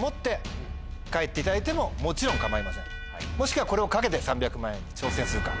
もしくはこれを懸けて３００万円に挑戦するか。